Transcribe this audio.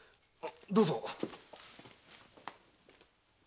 どうぞ。